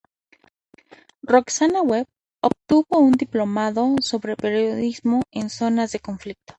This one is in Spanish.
Roxana Webb obtuvo un diplomado sobre periodismo en zonas de conflicto.